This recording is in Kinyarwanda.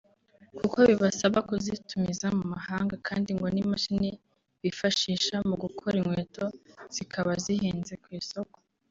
kuko bibasaba kuzitumiza mu mahanga kandi ngo n'imashini bifashisha mu gukora inkweto zikaba zihenze ku isoko